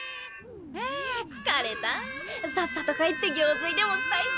さっさと帰って行水でもしたいぜ。